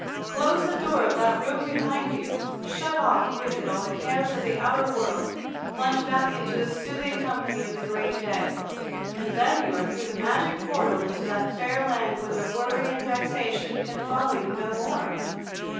Close the door of that room behind you, shut off with it all the cares of the outer world, plunge back into the soothing company of the great dead, and then you are through the magic portal into that fair land whither worry and vexation can follow you no more.